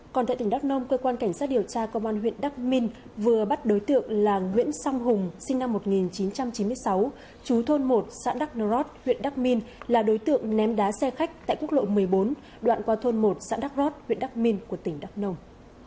còn tại tỉnh đắk nông cơ quan cảnh sát điều tra công an huyện đắk minh vừa bắt đối tượng là nguyễn song hùng sinh năm một nghìn chín trăm chín mươi sáu chú thôn một xã đắk nô rót huyện đắc minh là đối tượng ném đá xe khách tại quốc lộ một mươi bốn đoạn qua thôn một xã đắk rót huyện đắk minh của tỉnh đắk nông